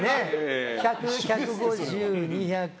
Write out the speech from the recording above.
１００、１５０、２００。